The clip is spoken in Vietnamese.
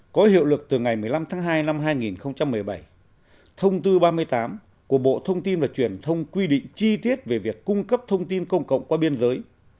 có hiệu lực từ ngày một mươi năm tháng hai năm hai nghìn một mươi bảy thông tư ba mươi tám của bộ thông tin và truyền thông quy định chi tiết về việc cung cấp thông tin công cộng qua biên giới